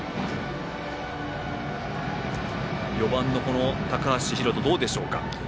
４番の高橋海翔、どうでしょうか。